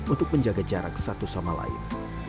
untuk menjaga jarak satu sama lain